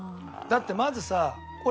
だってまずさ